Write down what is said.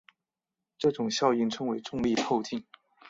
这种效应称为重力透镜。